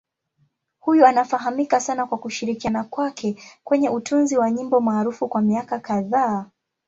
Huyu anafahamika sana kwa kushirikiana kwake kwenye utunzi wa nyimbo maarufu kwa miaka kadhaa.